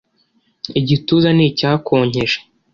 igituza ni icyakonkeje